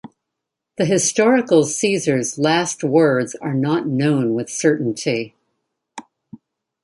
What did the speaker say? The historical Caesar's last words are not known with certainty.